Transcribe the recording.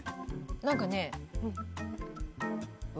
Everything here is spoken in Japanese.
何かね。